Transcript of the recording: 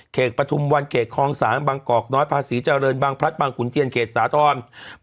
เกรกปฐุมวันเกรกคองสารบางกอกน้อยพระศรีเจริญบางพรรดิบางขุนเตียนเกรกสาธรรม